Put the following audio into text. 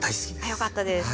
あっよかったです。